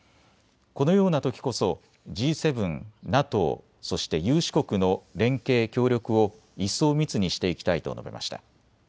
このようなときこそＧ７、ＮＡＴＯ、そして有志国の連携、協力を一層密にしていきたいと述べました。